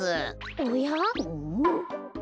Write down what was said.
おや？